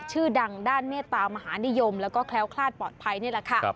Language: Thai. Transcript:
ชื่อดังด้านเมตตามหานิยมแล้วก็แคล้วคลาดปลอดภัยนี่แหละค่ะ